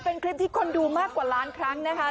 เป็นคลิปที่คนดูมากกว่าล้านครั้งนะคะ